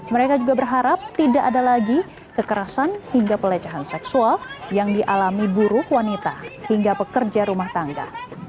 mereka juga berharap tidak ada lagi kekerasan hingga pelecehan seksual yang dialami buruh wanita hingga pekerja rumah tangga